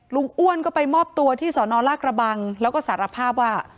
อ้วนก็ไปมอบตัวที่สนลากระบังแล้วก็สารภาพว่า